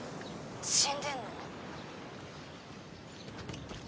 「死んでんの？」